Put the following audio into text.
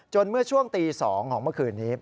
เมื่อช่วงตี๒ของเมื่อคืนนี้